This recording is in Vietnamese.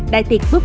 đại tiệc buffet